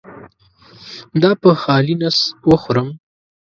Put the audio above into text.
دا په خالي نس وخورم؟